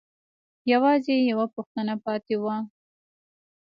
يوازې يوه پوښتنه پاتې وه.